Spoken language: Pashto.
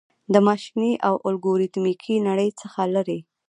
د ماشیني او الګوریتمیکي نړۍ څخه لیري